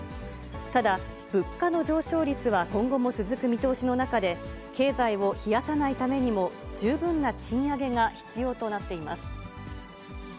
ただ、物価の上昇率は今後も続く見通しの中で、経済を冷やさないためにも、十分な賃上げが必要となっています。